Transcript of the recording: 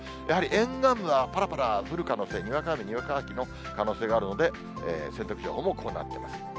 やはり沿岸部は、ぱらぱら降る可能性、にわか雨、にわか雪の可能性があるので、洗濯情報もこうなっています。